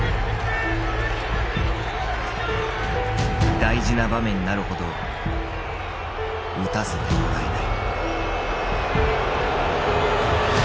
大事な場面になるほど打たせてもらえない。